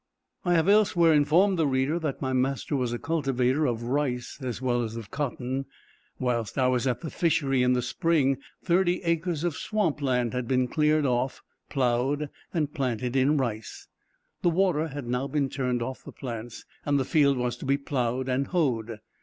I have elsewhere informed the reader that my master was a cultivator of rice as well as of cotton. Whilst I was at the fishery in the spring, thirty acres of swamp land had been cleared off, ploughed and planted in rice. The water had now been turned off the plants, and the field was to be ploughed and hoed.